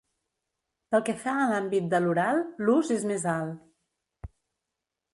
Pel que fa a l’àmbit de l’oral, l’ús és més alt.